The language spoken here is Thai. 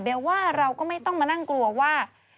เดี๋ยวว่าเราก็ไม่ต้องมานั่งกลัวว่า